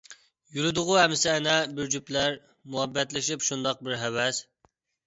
يۈرىدىغۇ ئەمسە ئەنە بىر جۈپلەر، مۇھەببەتلىشىپ شۇنداق بىر ھەۋەس.